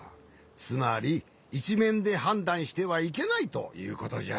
つまりいちめんではんだんしてはいけないということじゃ。